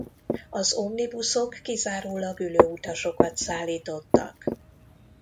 Az omnibuszok kizárólag ülő utasokat szállítottak.